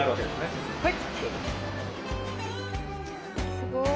すごい。